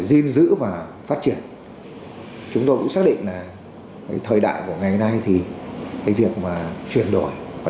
gìn giữ và phát triển chúng tôi cũng xác định là thời đại của ngày nay thì cái việc mà chuyển đổi và